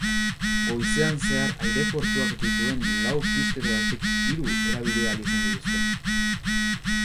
Goizean zehar aireportuak dituen lau pistetatik hiru erabili ahal izan dituzte.